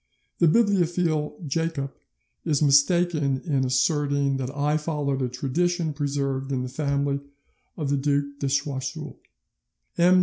The bibliophile Jacob is mistaken in asserting that I followed a tradition preserved in the family of the Duc de Choiseul; M.